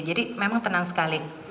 jadi memang tenang sekali